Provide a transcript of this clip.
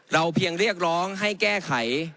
เพียงเรียกร้องให้แก้ไข